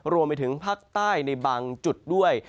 รวมไปถึงภาคใต้ในบางจุดด้วย